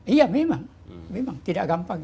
iya memang tidak gampang